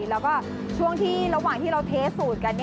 แล้วก็ช่วงที่ระหว่างที่เราเทสสูตรกัน